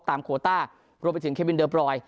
โคต้ารวมไปถึงเควินเดอร์บรอย